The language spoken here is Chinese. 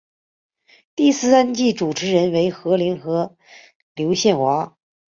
第三季主持人为何炅和刘宪华。